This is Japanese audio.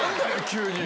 急に。